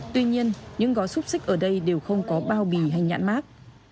tuy nhiên những gói xúc xích ở đây đều không có bao bì hay nhãn mát